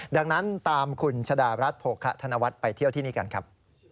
ดังนั้นตามคุณชะดารัฐโภคะธนวัฒน์ไปเที่ยวที่นี่กันครับ